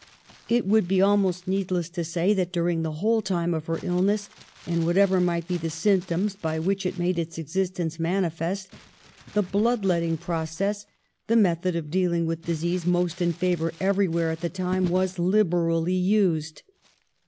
It would be almost needless to say that during the whole time of her iUness, and whatever might be the symptoms by which it made its existence manifest, the blood letting process, the method of dealing with disease most in favour everywhere at the time, was liberally used.